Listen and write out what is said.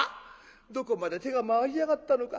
どこまで手が回りやがったのか。